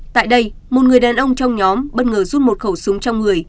tại đây một người đàn ông trong nhóm bất ngờ rút một khẩu súng trong người